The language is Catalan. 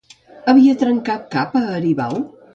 Havia trencat cap a Aribau?